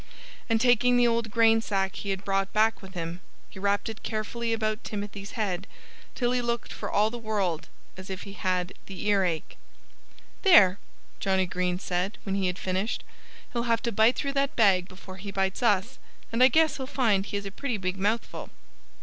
And taking the old grain sack he had brought back with him, he wrapped it carefully around Timothy's head, till he looked for all the world as if he had the earache. "There!" Johnnie Green said, when he had finished. "He'll have to bite through that bag before he bites us; and I guess he'll find he has a pretty big mouthful."